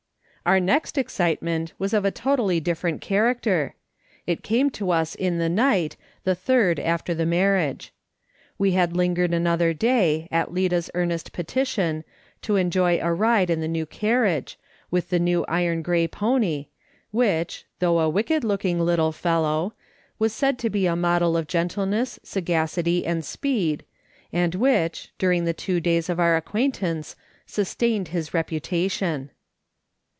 Our next excitement was of a totally different cha racter. It came to us in the night, the third after the marriage. We had lingered another day, at Lida's earnest petition, to enjoy a ride in the new carriage, with the new iron grey pony, which, though a wicked looking little fellow, was said to be a model of gentleness, sagacity, and speed, and which, during the two days of our acquaintance, sustained his reputation.